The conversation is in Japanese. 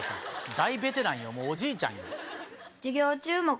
大ベテランよもうおじいちゃんよ。